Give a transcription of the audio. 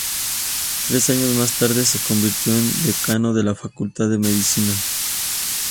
Tres años más tarde se convirtió en decano de la Facultad de Medicina.